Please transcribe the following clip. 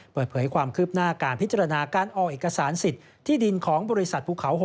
เปิดเผยความคืบหน้าการพิจารณาการออกเอกสารสิทธิ์ที่ดินของบริษัทภูเขา๖